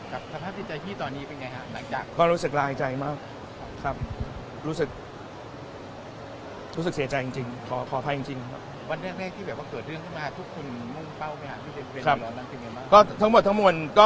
การรับยิ้มใจพี่ตอนนี้เป็นอย่างไรหรือหลังจาก